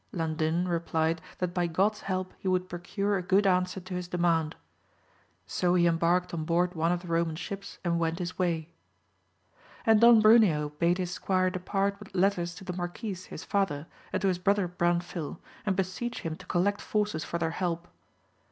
Landin replied that by God's help he would procure a good answer to his demand. So he embarked on board one of the Eoman ships, and went his way. And Don Bruneo bade his squire depart with letters to the marquis his father, and to his brother Branfil, and beseech him to collect forces for their help.